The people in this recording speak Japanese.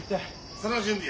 その準備よ。